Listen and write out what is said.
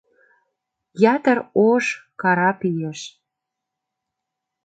Ятыр ош карап иеш